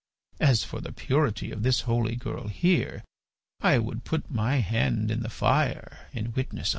As for the purity of this holy girl here, I would put my hand in the fire in witness of it."